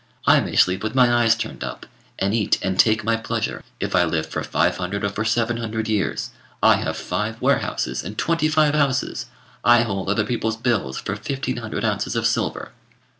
I may sleep with my eyes turned up, and eat and take my pleasure, if I live for five hundred or for seven hundred years. I have five warehouses and twenty five houses. I hold other people's bills for fifteen hundred ounces of silver."